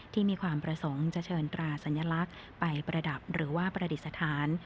ที่มีความประสงค์จะเชิญตราสัญลักษณ์ไปประดับหรือว่าประดิษฐาน